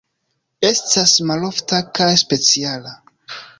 Estas malofta kaj speciala.